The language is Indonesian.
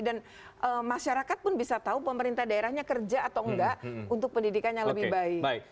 dan masyarakat pun bisa tahu pemerintah daerahnya kerja atau tidak untuk pendidikannya lebih baik